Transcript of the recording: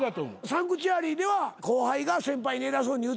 『サンクチュアリ』では後輩が先輩に偉そうに言うてたよな？